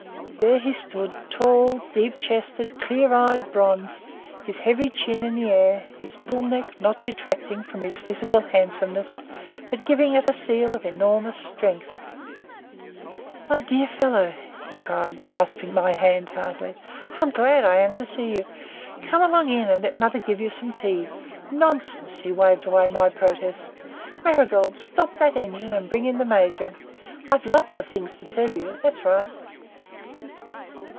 There he stood, tall, deep chested, clear eyed, bronzed, his heavy chin in the air, his bull neck not detracting from his physical handsomeness, but giving it a seal of enormous strength. "My dear fellow," he cried, grasping my hand heartily, "how glad I am to see you. Come along in and let mother give you some tea. Nonsense!" he waved away my protest. "Marigold, stop that engine and bring in the Major. I've got lots of things to tell you. That's right."